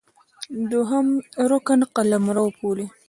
دوهم رکن قلمرو ، پولې